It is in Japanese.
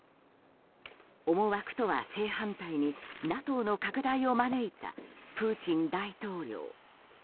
思惑とは正反対にＮＡＴＯの拡大を招いたプーチン大統領。